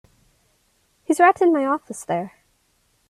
He's right in my office there.